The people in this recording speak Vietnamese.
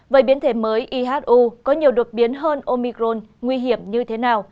về biến thể mới ihu có nhiều đột biến hơn omicron nguy hiểm như thế nào